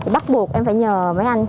bắt buộc em phải nhờ mấy anh